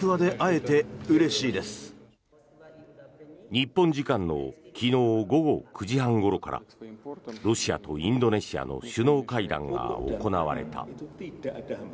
日本時間の昨日午後９時半ごろからロシアとインドネシアの首脳会談が行われた。